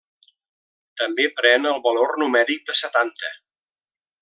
També pren el valor numèric de setanta.